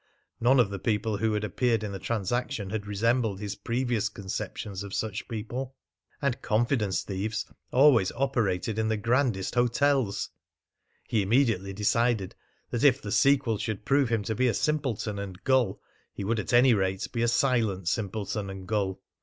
None of the people who had appeared in the transaction had resembled his previous conceptions of such people! And confidence thieves always operated in the grandest hotels! He immediately decided that if the sequel should prove him to be a simpleton and gull he would at any rate be a silent simpleton and gull.